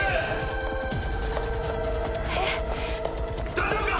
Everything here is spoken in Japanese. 大丈夫か！？